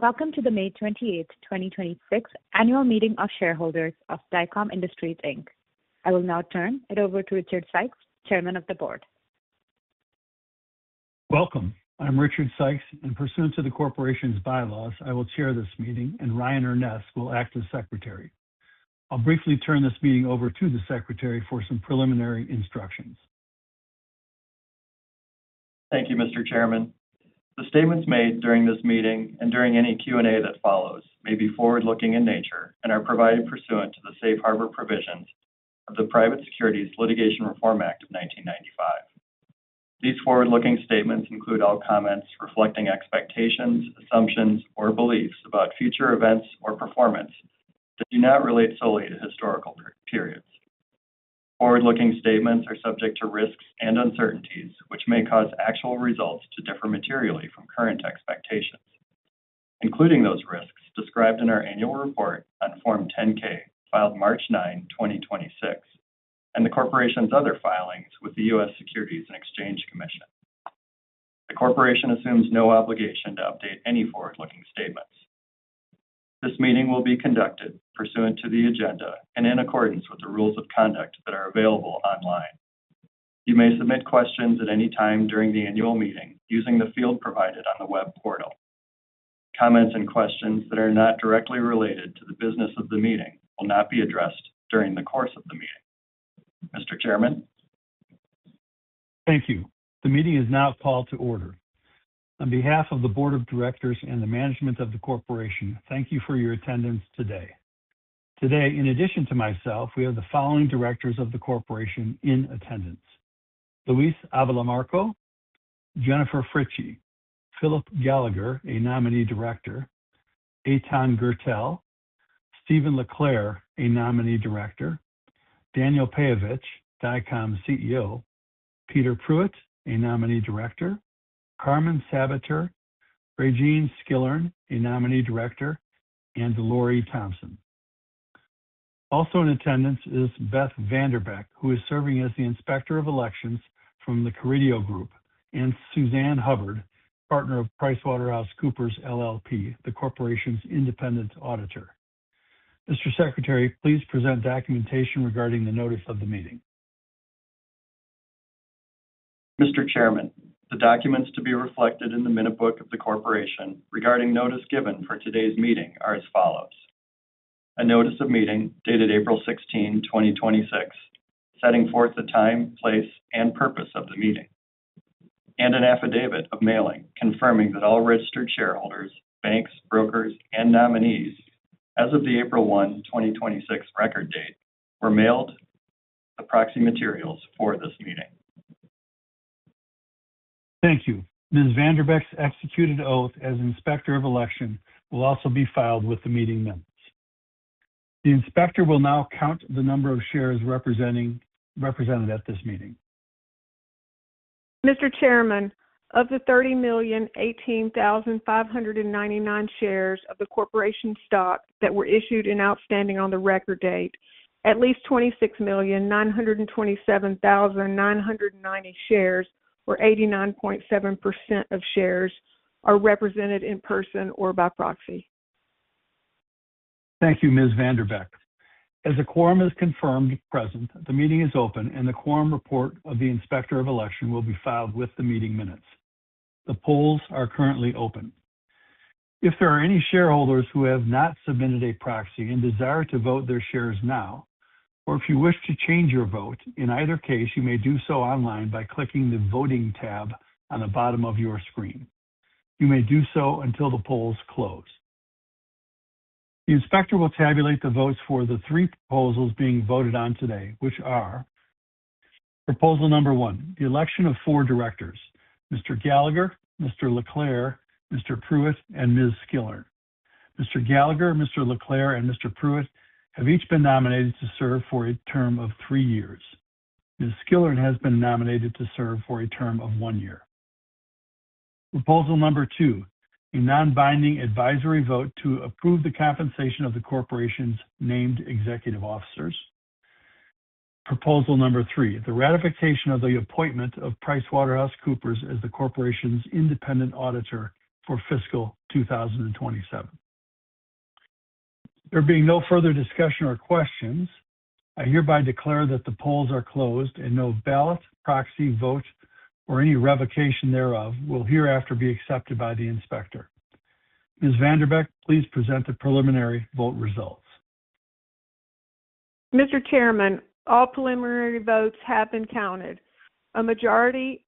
Welcome to the May 28th, 2026 annual meeting of shareholders of Dycom Industries, Inc. I will now turn it over to Richard Sykes, Chairman of the Board. Welcome. I'm Richard Sykes. In pursuant to the corporation's bylaws, I will chair this meeting, and Ryan Urness will act as secretary. I'll briefly turn this meeting over to the secretary for some preliminary instructions. Thank you, Mr. Chairman. The statements made during this meeting and during any Q&A that follows may be forward-looking in nature and are provided pursuant to the safe harbor provisions of the Private Securities Litigation Reform Act of 1995. These forward-looking statements include all comments reflecting expectations, assumptions, or beliefs about future events or performance that do not relate solely to historical periods. Forward-looking statements are subject to risks and uncertainties, which may cause actual results to differ materially from current expectations, including those risks described in our annual report on Form 10-K, filed March 9, 2026, and the corporation's other filings with the U.S. Securities and Exchange Commission. The corporation assumes no obligation to update any forward-looking statements. This meeting will be conducted pursuant to the agenda and in accordance with the rules of conduct that are available online. You may submit questions at any time during the annual meeting using the field provided on the web portal. Comments and questions that are not directly related to the business of the meeting will not be addressed during the course of the meeting. Mr. Chairman. Thank you. The meeting is now called to order. On behalf of the board of directors and the management of the corporation, thank you for your attendance today. Today, in addition to myself, we have the following Directors of the corporation in attendance: Luis Avila-Marco, Jennifer Fritzsche, Philip Gallagher, a nominee Director, Eitan Gertel, Stephen LeClair, a nominee Director, Daniel Peyovich, Dycom CEO, Peter Pruitt, a nominee Director, Carmen Sabater, Raejeanne Skillern, a nominee Director, and Laurie Thomsen. Also in attendance is Beth VanDerbeck, who is serving as the Inspector of Elections from The Carideo Group, and Suzanne Hubbard, partner of PricewaterhouseCoopers, LLP, the corporation's independent auditor. Mr. Secretary, please present documentation regarding the notice of the meeting. Mr. Chairman, the documents to be reflected in the minute book of the corporation regarding notice given for today's meeting are as follows. A Notice of Meeting dated April 16, 2026, setting forth the time, place, and purpose of the meeting. An Affidavit of Mailing confirming that all registered shareholders, banks, brokers, and nominees as of the April 1, 2026 record date were mailed the proxy materials for this meeting. Thank you. Ms. VanDerbeck executed oath as Inspector of Elections will also be filed with the meeting minutes. The inspector will now count the number of shares represented at this meeting. Mr. Chairman, of the 30,018,599 shares of the corporation stock that were issued and outstanding on the record date, at least 26,927,990 shares, or 89.7% of shares, are represented in person or by proxy. Thank you, Ms. VanDerbeck. As a quorum is confirmed present, the meeting is open, and the quorum report of the Inspector of Elections will be filed with the meeting minutes. The polls are currently open. If there are any shareholders who have not submitted a proxy and desire to vote their shares now, or if you wish to change your vote, in either case, you may do so online by clicking the voting tab on the bottom of your screen. You may do so until the polls close. The inspector will tabulate the votes for the three proposals being voted on today, which are Proposal Number one, the election of four directors, Mr. Gallagher, Mr. LeClair, Mr. Pruitt, and Ms. Skillern. Mr. Gallagher, Mr. LeClair, and Mr. Pruitt have each been nominated to serve for a term of three years. Ms. Skillern has been nominated to serve for a term of one year. Proposal Number two, a non-binding advisory vote to approve the compensation of the corporation's named executive officers. Proposal Number three, the ratification of the appointment of PricewaterhouseCoopers as the corporation's independent auditor for fiscal 2027. There being no further discussion or questions, I hereby declare that the polls are closed and no ballot, proxy, vote, or any revocation thereof will hereafter be accepted by the Inspector. Ms.VanDerbeck, please present the preliminary vote results. Mr. Chairman, all preliminary votes have been counted. A majority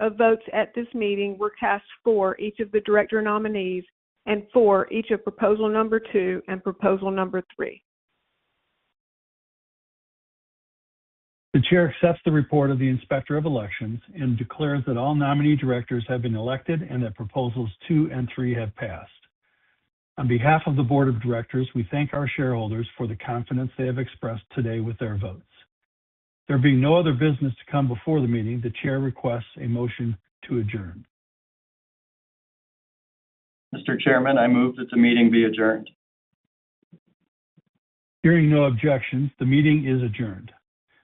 of votes at this meeting were cast for each of the director nominees and for each of Proposal Number two and Proposal Number three. The chair accepts the report of the Inspector of Elections and declares that all nominee directors have been elected and that Proposals two and three have passed. On behalf of the board of directors, we thank our shareholders for the confidence they have expressed today with their votes. There being no other business to come before the meeting, the chair requests a motion to adjourn. Mr. Chairman, I move that the meeting be adjourned. Hearing no objections, the meeting is adjourned.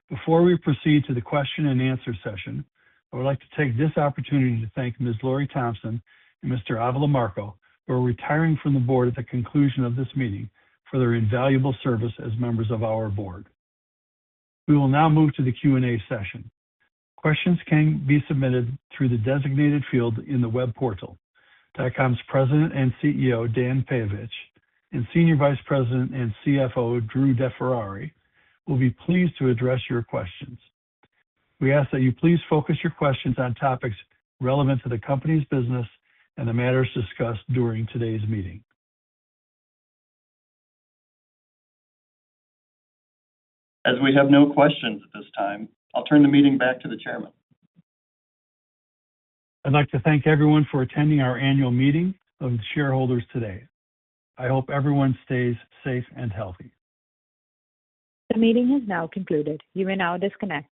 Before we proceed to the question and answer session, I would like to take this opportunity to thank Ms. Laurie Thomsen and Mr. Avila-Marco, who are retiring from the board at the conclusion of this meeting, for their invaluable service as members of our board. We will now move to the Q&A session. Questions can be submitted through the designated field in the web portal. Dycom's President and Chief Executive Officer, Dan Peyovich, and Senior Vice President and Chief Financial Officer, Drew DeFerrari, will be pleased to address your questions. We ask that you please focus your questions on topics relevant to the company's business and the matters discussed during today's meeting. As we have no questions at this time, I'll turn the meeting back to the chairman. I'd like to thank everyone for attending our annual meeting of the shareholders today. I hope everyone stays safe and healthy. The meeting has now concluded. You may now disconnect.